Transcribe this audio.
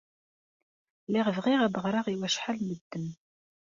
Lliɣ bɣiɣ ad ɣreɣ i wacḥal n medden.